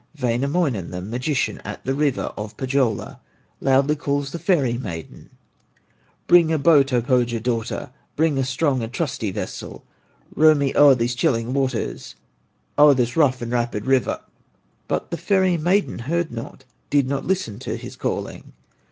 Wainamoinen, the magician, At the river of Pohyola, Loudly calls the ferry maiden: "Bring a boat, O Pohya daughter, Bring a strong and trusty vessel, Row me o'er these chilling waters, O'er this rough and rapid river!" But the ferry maiden heard not, Did not listen to his calling.